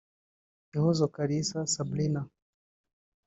Ihozo Kalisi Sabrina